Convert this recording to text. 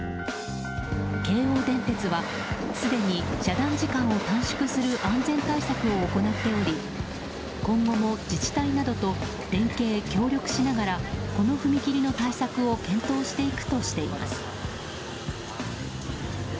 京王電鉄はすでに遮断時間を短縮する安全対策を行っており今後も自治体などと連携・協力しながらこの踏切の対策を検討していくとしています。